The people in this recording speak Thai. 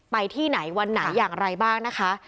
ที่ไหนวันไหนอย่างไรบ้างนะคะ